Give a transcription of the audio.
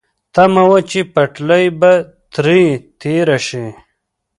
تمه وه چې پټلۍ به ترې تېره شي.